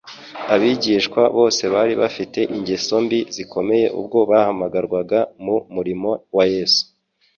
Abigishwa bose bari bafite ingeso mbi zikomeye ubwo bahamarwaga mu murimo wa Yesu.